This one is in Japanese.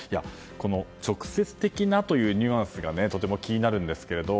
直接的なというニュアンスがとても気になるんですけれども。